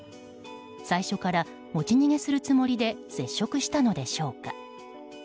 最初から持ち逃げするつもりで接触したのでしょうか。